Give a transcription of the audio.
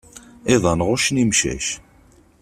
iḍan ɣuccen imcac.